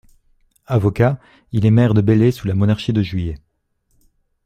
Avocat, il est maire de Belley sous la Monarchie de Juillet.